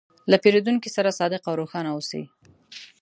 له پیرودونکي سره صادق او روښانه اوسې.